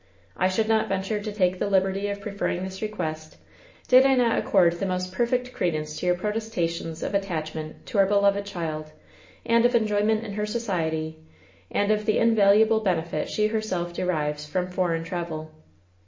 "I should not venture to take the liberty of preferring this request did I not accord the most perfect credence to your protestations of attachment to our beloved child, and of enjoyment in her society, and of the invaluable benefit she herself derives from foreign travel."